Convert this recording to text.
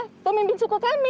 iya pemimpin suku kami